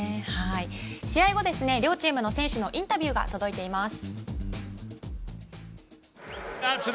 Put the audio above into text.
試合後の両チームの選手のインタビューが届いています。